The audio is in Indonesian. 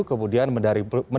kemudian medali perunggu